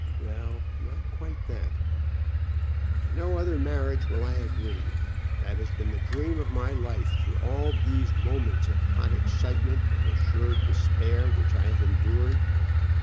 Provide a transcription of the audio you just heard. "Well, not quite that." "To no other marriage will I agree. That has been the dream of my life through all those moments of hot excitement and assured despair which I have endured.